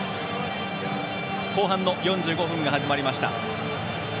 後半の４５分が始まりました。